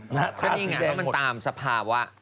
นี่ไงมันตามสภาวะ